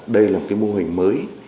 đây là một mô hình mới